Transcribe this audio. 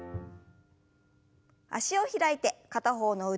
脚を開いて片方の腕を上に。